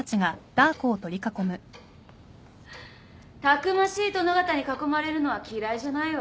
たくましい殿方に囲まれるのは嫌いじゃないわ。